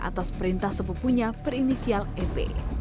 atas perintah sepupunya berinisial ep